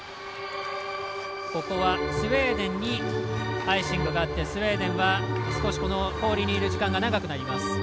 ここはスウェーデンにアイシングがあってスウェーデンは少し氷にいる時間が長くなります。